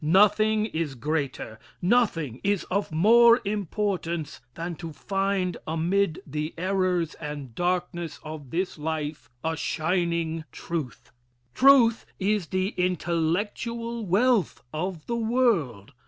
Nothing is greater, nothing is of more importance, than to find amid the errors and darkness of this life, a shining truth. Truth is the intellectual wealth of the world.